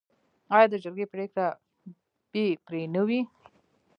آیا د جرګې پریکړه بې پرې نه وي؟